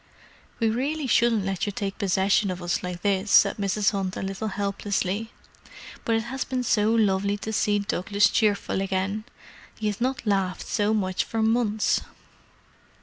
"We really shouldn't let you take possession of us like this," said Mrs. Hunt a little helplessly. "But it has been so lovely to see Douglas cheerful again. He has not laughed so much for months."